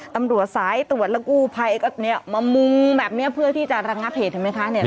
ตำรวจสายตรวจและกู้ภัยก็เนี่ยมามุงแบบนี้เพื่อที่จะระงับเหตุเห็นไหมคะ